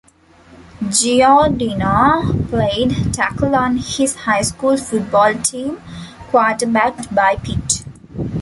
Giordino played tackle on his high school football team quarterbacked by Pitt.